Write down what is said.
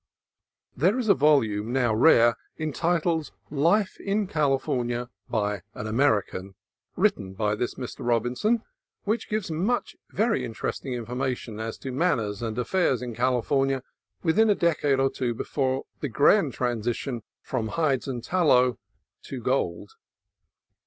(There is a volume, now rare, entitled "Life in California, by an American," THE DE LA GUERRA MANSION 87 written by this Mr. Robinson, which gives much very interesting information as to manners and af fairs in California a decade or two before the grand transition from hides and tallow to gold.)